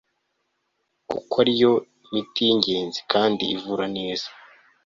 kuko ariyo miti yingenzi kandi ivura neza